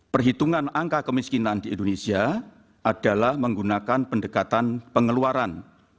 perhitungan angka kemiskinan di indonesia adalah menggunakan pendekatan pengeluaran